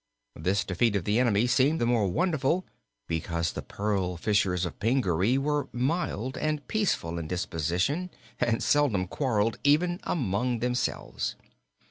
This defeat of the enemy seemed the more wonderful because the pearl fishers of Pingaree were mild and peaceful in disposition and seldom quarreled even among themselves.